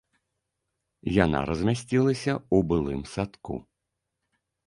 Яна размясцілася ў былым садку.